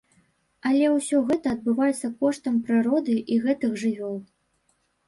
Але ўсё гэта адбываецца коштам прыроды і гэтых жывёл.